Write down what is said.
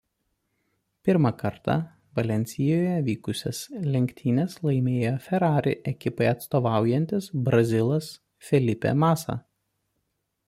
Pirmą kartą Valensijoje vykusias lenktynes laimėjo Ferrari ekipai atstovaujantis brazilas Felipe Massa.